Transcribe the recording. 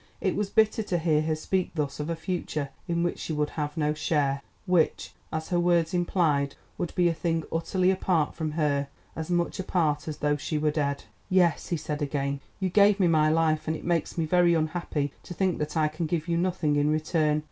It was bitter to hear her speak thus of a future in which she would have no share, which, as her words implied, would be a thing utterly apart from her, as much apart as though she were dead. "Yes," he said again, "you gave me my life, and it makes me very unhappy to think that I can give you nothing in return.